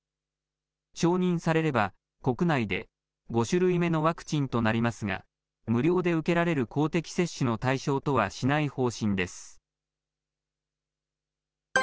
承認されれば、国内で５種類目のワクチンとなりますが、無料で受けられる公的接種の対象とはしない方針です。